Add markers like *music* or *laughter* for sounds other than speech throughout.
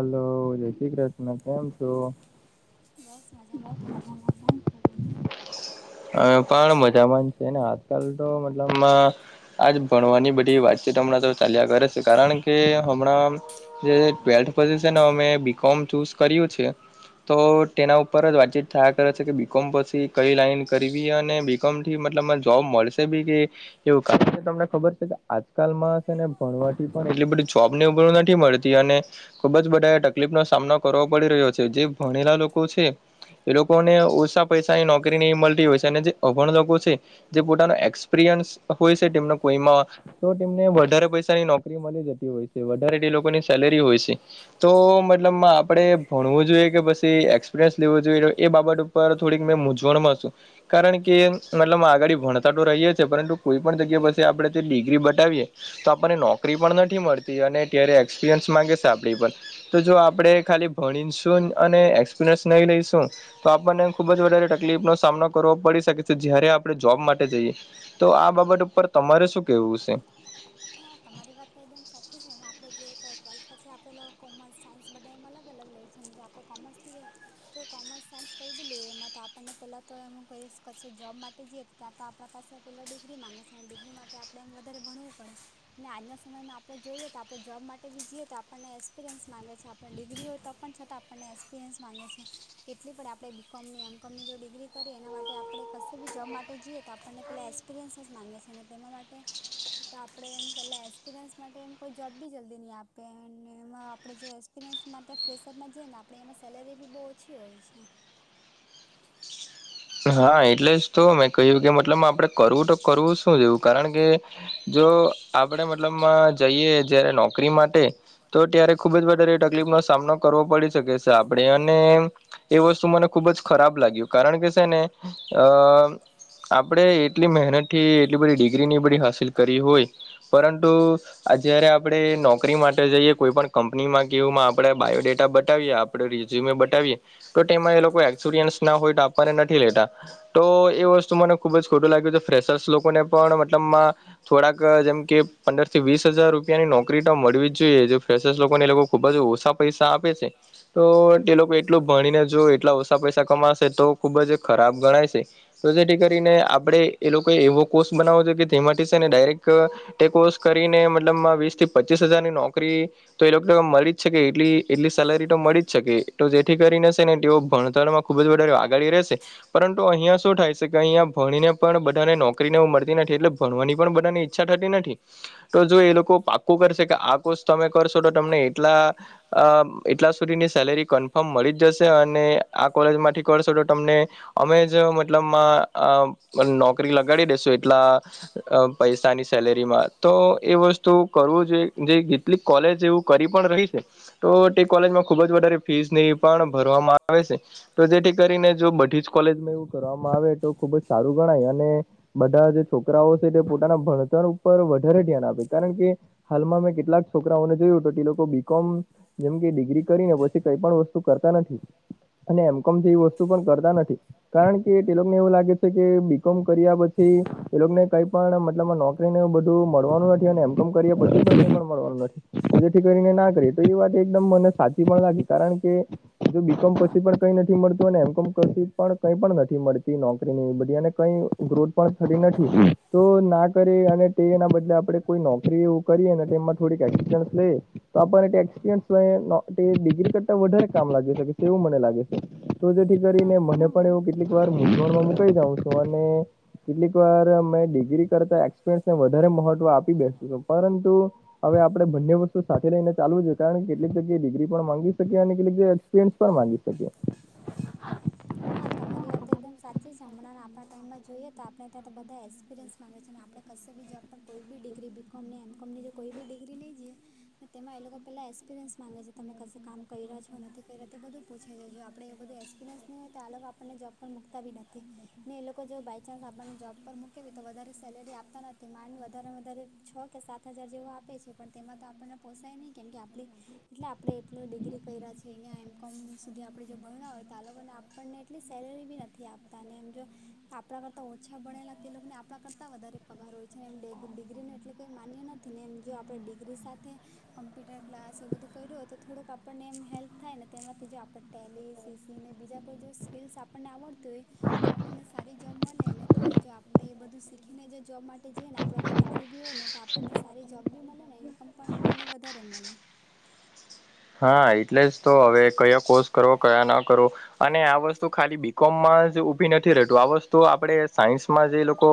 Hello જય શ કૃષ્ન કેમ છો? બસ મજામાં કેમ છો તમે? હ પણ મજામાં જ છે ને આજકાલ તો મતલબ આજ ભણવાની બધી વાતચીત હમણાં તો ચાલ્યા કરે છે કારણ કે હમણાં ટવેલ્થ પો અ બીકોમ ચૂ કર્યું છે. તો તેના ઉપર જ વાતચીત થયા કરે છે કે બીકોમ પછી કઈ લાઈન કરવી અને બી કોમથી મતલબને જોબ મળશે બી કે એવું કારણ કે તમને ખબર છે કે આજકાલમાંણસે ને ભણવાથી પણ એટલી બધી જોબ ની ઉભર નથી મળતી. અને ખુબ જ બધા એ તકલીફ નો સામનો કરવો પડી રહ્યો છે જે ભણેલા લોકો છે. એ લોકો ઓછા પૈસા ની નહી મળતી અભણ લોકો છે, જે પોનોપસ હોય છે તેમ કોફીમાં તો તેમમને વધારે પૈસાની નોકરી મળી જતી હોય છે વધારે એ લોકોની સેલેરી હોય છે. તો મતલબ આપણે ભણવું જોઈએ કે પછી એક્સપિરિયન્સ લેવું જોઈએ એ બાબત થોડીક મેં મૂઝવણ માંસું. કારણ કે મતલબ આગળડી ભણતા તો રહીએ છી છે પરંતુ કોઈ પણણ જગ્યા પ આપણે ડિગ્રી બતાવીએ. તો આપણને નોકરી પણ નથી મળતી અને ત્યારે એક્સપિરિયન્સ માંગે છે આપડી પણ. તો જો આપણે ખાલી ભણીશું અને એક્સપિરિયન્સ નહી લઈશું. તો આપણને ખુબ જ વધારે તકલીફ નો સામનો કરવો પડી શકે છે જયારે આપણે જોબ માટે જઈએ, તો આ બાબત ઉપર તમારે શું કેવું છે? હા તમારી વાત તો એકદમ સાચી છે મ આપડે જોઈએ તો ટ્વેલ્થ પછી આપેલો કોમર્સ સાયન્સ બધા એમાં અલગ અલગ લે છે. જે આપણે કોમર્સ લઈએ તો કોમર્સ સાયન્સ કઈ બી લઈએ, એમાં તો આપણને પેલા તો એ હું કહીશ ક જોબ માટે ત્યાં તો આપણા પાસે પેલા ડિગ્રી માંગે છે અને ડિગ્રી માટે આપણે એમ વધારે ભણવું પડે. આજના સમયમાં આપણે તો આપણે જોબ માટે બી જઈએ તો આપણને એક્સપિરિયન્સ માગે છે આપણ ડિગ્રી હોય તો પણ છતાં આપણને એક્સપિરિયન્સ માગે છે, કેટલી પડે આપણે બી કોમની એમ કોમની જો ડિગ્રી કરીએ એના માટે આપણે કશ બી જોબ માટે જઈએ તો આપણને પેલાં એક્સપિરિયન્સ જ માગે છે અને તેના માટે તો આપણે પહેલા એક્સપિરિયન્સ માટે એમ કોઈ જોબ બી જલ્દી નહીં આપે અને એમાં આપણે એપિરયન્સ માટે ફ્લેસરમાં જઈએ આપણે એમાં સેલેરી બહુ ઓછી હોય છે. એટલે જ તો મેં કહ્યું મતલબ આપડે કરવું તો કરવું શું જેવું કારણ કે. જો આપણે મતલબ જઈએ જય્યારે નોકરી માટે. તો ત્યારે ખુબ જ વધારે તકલીફ સામનો કરવો પડી શકે આપણેે અને એ વસ્તુ મને ખુબ જ ખરાબ લાગ્યું કારણ કે છે ને, અ આપણે એટલી મહેનત થી એટલી બધી ડિગ્રીની બધી હાસિલ કરી હોય, પરંતુ અ જય્યારે આપણે નોકરી માટે જઈએ કોઈ પણણ કંપની માં કેવું આપણેે બાયોડેટા બતાવીએ આપડે રીઝયુમે બતાવીએ તો તેમાં એ લોકો એક્સપિરયન્સ ના હોય તો આપણને નથી લેતા. તો એ વસ્તુ મને ખુબ જ ખોટું લાગ્યું છે ફેશર્સ લોકોને પણ મતલબમાં થોડાક જેમ કે પંદર થી વીસ હજાર રૂપિયાની નોકરી તો મળવી જ જોઈએ ફ્રેશરસ લોકોને લોકો ખુબ જ ઓછા પૈસા આપે છે તો તે લોકો એટલું ભણીને જો એટલા ઓછા પૈસા કમાશે તો ખુબ જ ખરાબ ગણાય છે. તો જેથી કરીને આપડે એ લોકો એવો કોર્સ બનાવો છો કે જેમાંથી છે ને ડાયરેક્ટ ટે કોર્સ કરીને મતલબમાં વીસ થી પચીસ હજારની નોકરી તો એ લોકો મળી જ શકે એટલી એટલી સેલેરી તો મળી જ શકે તો જેથી કરીને ને તેઓ ભણતરમાં ખુબ જ વધારે અગાડી રહેશે. પરંતુ અહિયા શું થાય છે કે અહીયાં ભણીને પણ બધાને નોકરી ને એવ મળતી નથી એટલે ભણવાની પણ બધાની ઈછા થતી નથી તો જો એ લોકો પાક્કું કરશે કે આ કોર્ષ તમે કરશો તો તમને એટલા. અ એટલા સુધીની સેલેરી કન્ફર્મ મળી જશે અને આ કોલેજમાંથી કરશો તો તમને. અમે જ મતલબ નોકરી લગાડી દેસું એટલા. અ પૈસાની સેલેરી માં તો એ વસ્તુ કરવું જોઈએ જેથી કેટલી કોલેજ એવું કરી પણ રહી છે. તો તે કોલેજમાં ખુબ જ વધારે ફીસ ને પણ ભરવામાં આવે છે. તો જેથી કરીને જો બધી જ કોલેજમાં એવું કરવામાં આવે તો ખુબ જ સારું ગણાય અને બધા જે છોકરાઓ છે તે પોતાના ભણતર ઉપર વધારે ધ્યાન આપે કારણ કે હાલમાં મેં કેટલાક છોકરાઓને જોયું તો કે એ લોકો બીકોમ જેમ કે ડિગ્રી કરીને પછી કઈ પણ વસ્તુ કરતા નથી. અને એમ કોમ જેવી વસ્તુ પણ કરતા નથી. કારણ કે તે લોકોને એવું લાગે છે કે બીકોમ કર્યા પછી એ લોકોને કઈ પણ મતલબમાં નોક રી ને બધું મળવાનું નથી અને એમ કોમ કરી‌એ પછી પણ મળવાનું નથી. જેથી કરીને ના કરે તો એ વાત એકદમ મને સાચી પણ લાગી કારણ કે બીકોમ પછી પણ કઈ નથી મળતું અને એમ કોમ પછી પણ કઈ પણ નથી મળતી નોકરી ની બધીને કઈ ગ્રોથ પણ થતી નથી. તો ના કરી અને તે એના બદલે આપડે કોઈ નોકરી એવું કરીએ ને તેમાં થોડીક એક્સપિરિયન્સ લઈ તો આપણે એક્સપિરિયન્સ લઈ નોકરી ડિગ્રી કરતા વધારે કામ લાગી શકે છે એવું મને લાગે છે. તો જેથી કરીને મને પણ એવું કેટલીક વાર મૂઝવણમાં મુકાઈ જાઉં છું અને કેટલીક વાર મે ડિગ્રી કરતા એક્સપિરયન્સને વધારે મહત્વ આપી બેસુ છું પરંતુ હવે આપણે બંને વસ્તુ સાથે લઈને ચાલુું છે કારણ કેટલીક જગ્યાએ ડિગ્રી પણ માંગી શકીએ અને કેટલી જગ્યાએ *unintelligible* પણ માંગી શકીએ. હા તમારી વાત તો એકદમ સાચી છે હમણાં આપણા ટાઈમમાં જોઈએ તો આપણે ત્યાં તો બધા એક્સપિરિયન્સ માંગે છે અને આ પણે કસે બી જોબ પર કોઈ બી ડિગ્રી બી કોમનીને એમ કોમની જે કોઈ બી ડિગ્રી લઈ જઈએ તેમાં એ લોકો પહેલાં એક્સપિરિયન્સ માંગે છે તમે કશે કામ કર્યા છો નથી કરી રહ્યા તે બધું પૂછે છે જો આપણે એ બધું એ સ્પિરયન્સ ની હોય તો આ લોકો આપણને જોબ પર મૂકતા બી નથી. ને એ લોકો જો બાય ચાન્સ આપણને જોબ પર મૂકી દે તો વધારે સેલેરી આપતા નથી માંડ વધારે ને વધારે છ કે સાત હજાર જેવું આપે છે પણ તેમાં તો આપણને પોસાય નહીં કેમ કે આપણે એટલે આ આપણે એટલુ ડિગ્રી કર્યા છીએ અહીંયા એમ કોમ સુધી આપણે જે ભણ્યા હોય તો આ લોકો ને આપ પણને એટલી સેલેરી બી નથી આપતા અને એમ જો પણા કરતા ઓછા ભણેલા તે લોકોને આપણા કરતા વધારે પગાર હોય છેને એમ ડિગ્રી ની એટલી કઈ માન્ય નથ ને એમ જો આપણે ડિગ્રી સાથે કમ્પ્યુટર ક્લાસ એ બધું કર્યું હોય તો થોડુંક આપણને એમ હેલ્પ થાય ને તેમાંથી જો આપણે ટેલી સીસીને બીજા કોઈ જો સ્કિલ્સ આપણને આવડતી હોય તો આપણને સારી જોબ મળે ને તેમાં જો આપણેે એ બધું શીખીને જોબ માટે જઈએ ને આપણે ડિગ્રી બી હોય ને તો આ પણને સારી જોબ બી મલે ને ઇન્કમ પણ આપણને વધારે મલે. હા એટલે જ તો હવે કયો કોષ કરો કયા ન કરો, અને આ વસ્તુ ખાલી બીકોમમાં જ ઉભી નથી રહેતુ આ વસ્તુ આપણે સાયન્સ માં જે લોકો,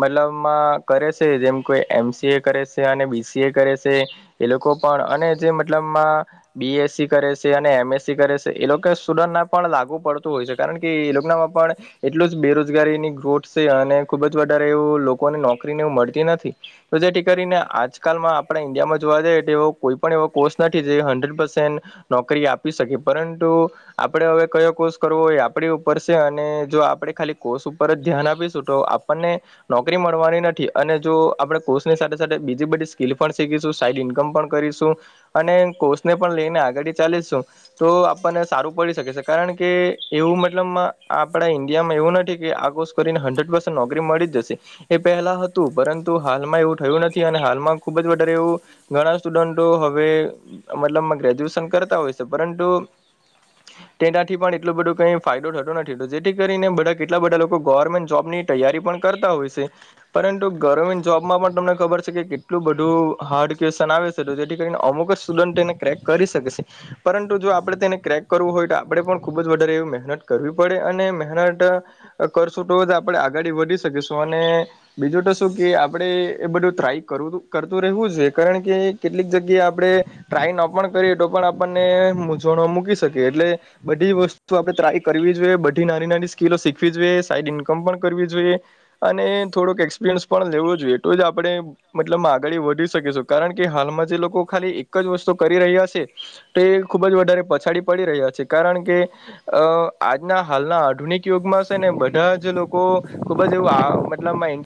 મતલબમાં કરે છે જેમ કોઈ એમસી એ કરે છે અને બી સી એ કરે છે, એ લોકો પણ અને જે મતલબમાં *inaudible* બી એસ સી કરે છે અને એમ એસ સી કરે છે એ લોકો સ્ટુડન્ટ ના પણ લાગુ પડતું હોય છે કારણ કે એ લોકોના મા પણ, એટલું જ બેરોજગારી ની છે અને ખુબ જ વધારે એ લોકોને નોક રીને મળતી નથી, તો જેથી કરીને આજકાલમાં આપણે ઈન્ડિયા માં જોવા જઈએ તો એવો કોઈ પણ એવો કોર્ષ નથી જે હંડ્રેડ પસેન્ટ, નોકરી આપ આપી શકે પરંતુ આપડે હવે કયો કોર્સ કરવો હોય આપડી ઉપર છે અને જો આપડે ખાલી કોર્ષ ઉપર જ ધ્યાન આપીશું તો આપ પણને નોકરી મળવાની નથી અને જો આપણે કોર્ષની સાથે સાથે બીજી બધી સ્કીલ પણ શીખીશું સાઈડ ઇન્કમ પણ કરીશું, અને કોષને પણ લઈને આગળ ચાલીશું. તો આપણને સારું પડી શકે છે કારણ કે એવું મતલબ આપણા ઇન્ડિયામાં એવું નથી કે આ કોષ કરીને હંડ્રેડ પર્સેન્ટ નોકરી મળી જશે. એ પહેલા હતું પરંતુ હાલમાં એવું થયું નથી અને હાલમાં ખુબ જ વધારે એવું ઘણા સ્ટુડન્ટો હવે મતલબમાં ગ્રેજ્યુએશન કરતા હોય છે પરંતુ *inaudible* તેદાથી પણ એટલો બધો કંઈ ફાયદો થતો નથી તો જેથી કરીને બધા કેટલા બધા લોકો ગવર્મેન્ટ જોબની તૈયારી પણ કરતા હોય સે. પરંતુ ગવર્મેન્ટ જોબમાં પણ તમને ખબર છે કે કેટલું બધું હાર્ડ ક્વેશન આવે સે તો જેથી કરીને અમુક સ્ટુડન્ટ એને ક્રેક કરી શકે સે. પરંતુ જો આપડે તેને ક્રેક કરવું હોય તો આપડે પણ ખુબ જ વધારે એ મહેનત કરવી પડે અને મહેનટ. અ કરશું તો જ આપડે આગાડી વધી શકીશું અને બીજું તો શું કે આપડે એ બધું ટ્રાય કરવું કરતું રહેવું છે કારણ કે કેટલીક જગ્યાએ આપડે ટ્રાય ન પણ કરીએ તો પણ આપણને મૂઝણ મૂકી શકે એટલે. બધી વસ્તુ આપણે ટ્રાય કરવી જોઈએ બધી નાની નાની સ્કીલો શીખવી જોઈએ સાઈડ ઇન્કમ પણ કરવી જોઈએ. અને થોડોક એક્સપિરિયન્સ પણ લેવો જોઈએ એ તો જ આપડે મતલબમાં આગળ વધી શકેશું કારણ કે હાલમાં જે લોકો ખાલી એક જ વસ્તુ કરી રહ્યા સે. તે ખૂબ જ વધારે પછાડી પડી રહ્યા છે કારણ કે. અ આજના હાલના આધુનિક યુગમાં છે ને બધા જ લોકો, ખુબ જ એવું આ મતલબમાં ઈન